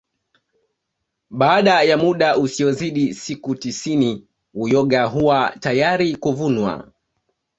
Baada ya muda usiozidi siku tisini uyoga huwa tayari kuvunwa